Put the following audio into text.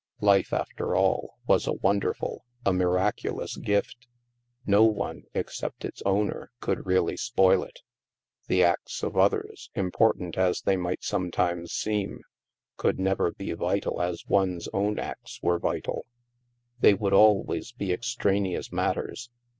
Life, after all, was a wonderful, a miraculous gift. No one, except its owner, could really spoil it. The acts of others, important as they might some times seem, could never be vital as one's own acts were vital; they would always be extraneous mat ters.